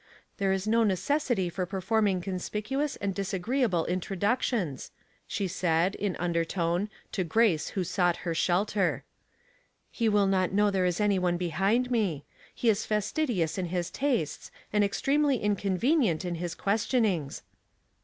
" There is no necessity for performing conspicuous and disagreeable intro ductions," she said, in undertone, to Grace who 230 Household Puzzles. sought her shelter. " He will not know there is any one behind me. He is fastidious in his tastes, and extremely inconvenient in his ques tionings."